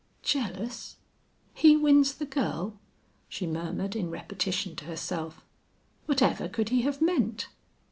"Jealous?... He wins the girl?" she murmured in repetition to herself. "What ever could he have meant?